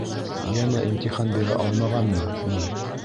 Йәнә имтихан бирә алмағанмы ни?